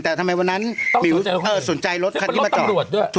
แต่ทำไมวันนั้นหมิวสนใจรถคันที่มาจอดด้วย